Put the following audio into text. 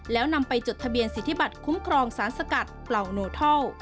แล้วนำไปจดทะเบียนสิทธิบัตรคุ้มครองสารสกัดเปล่าโนทัล